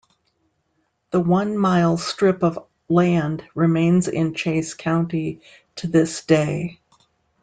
The one mile strip of land remains in Chase County to this day.